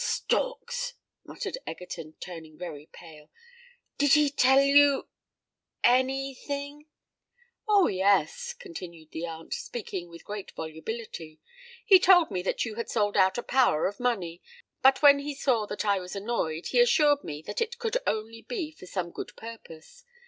"Storks!" murmured Egerton, turning very pale. "Did he tell you—any thing——" "Oh! yes," continued the aunt, speaking with great volubility; "he told me that you had sold out a power of money;—but when he saw that I was annoyed, he assured me that it could only be for some good purpose.